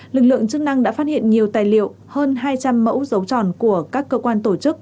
lực lượng chức năng đã phát hiện nhiều tài liệu hơn hai trăm linh mẫu dấu tròn của các cơ quan tổ chức